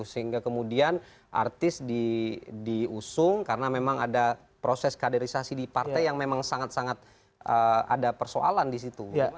sehingga kemudian artis diusung karena memang ada proses kaderisasi di partai yang memang sangat sangat ada persoalan di situ